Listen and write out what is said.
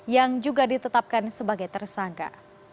yang juga ditetapkan sebagai tersangka